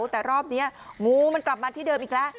แต่รอบนี้งูมันกลับมาที่เดิมอีกแล้ว